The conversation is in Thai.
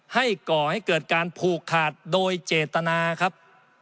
ก่อให้เกิดการผูกขาดโดยเจตนาครับ